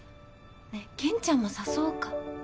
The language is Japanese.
ねえけんちゃんも誘おうか。